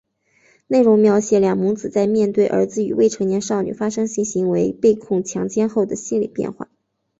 内容描写两母子在面对儿子与未成年少女发生性行为被控强奸后的心理变化。